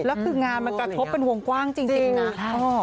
แล้วคืองานมันกระทบเป็นห่วงกว้างจริงจริงนะจริงค่ะ